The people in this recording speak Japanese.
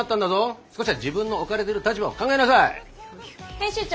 編集長！